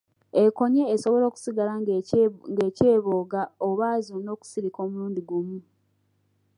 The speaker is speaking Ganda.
Ekoonye esobola okusigala ng'ekyebonga oba zonna okusirika omulundi gumu.